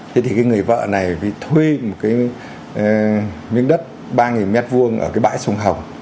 thế thì cái người vợ này thuê một cái miếng đất ba m hai ở cái bãi sông hồng